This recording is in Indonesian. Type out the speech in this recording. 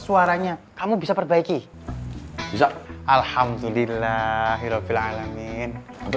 suaranya kamu bisa perbaiki bisa alhamdulillah hirafil alamin